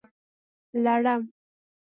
🦂 لړم